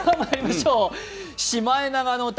「シマエナガの歌」